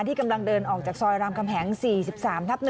ที่กำลังเดินออกจากซอยรามคำแหง๔๓ทับ๑